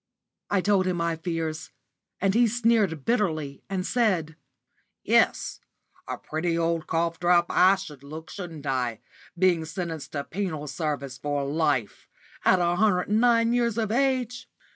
I told him my fears, and he sneered bitterly, and said: "Yes, a pretty old cough drop I should look, shouldn't I, being sentenced to penal servitude for life at a hundred and nine years of age?